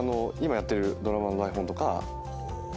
今やってるドラマの台本とか。